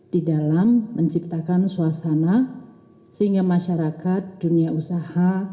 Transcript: di dalam menciptakan suasana sehingga masyarakat dunia usaha